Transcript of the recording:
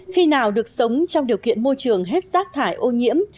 khi nào được sống trong điều kiện môi trường hết rác thải ô nhiễm